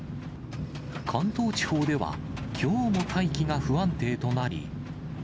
関東地方ではきょうも大気が不安定となり。